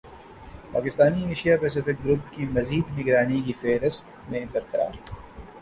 Pakistan Asia Pacific group کی مزید نگرانی کی فہرست میں برقرار